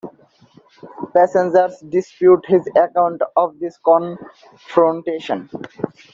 Passengers dispute his account of this confrontation.